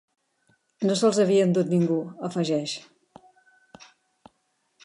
No se'ls havia endut ningú —afegeix—.